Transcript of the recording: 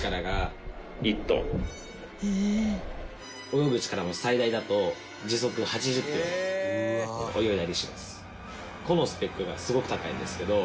泳ぐ力も最大だと時速８０キロで泳いだりします。